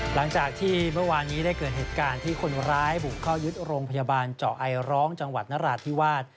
หลังจากที่เมื่อวานนี้ได้เกิดเหตุการณ์ที่คนร้ายบุกเข้ายึดโรงพยาบาลเจาะไอร้องจังหวัดนราธิวาส